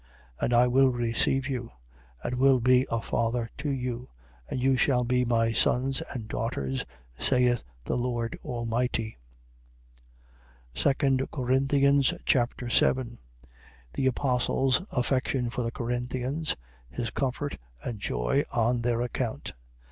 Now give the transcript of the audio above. And I will receive you. And will be a Father to you: and you shall be my sons and daughters, saith the Lord Almighty. 2 Corinthians Chapter 7 The apostle's affection for the Corinthians. His comfort and joy on their account.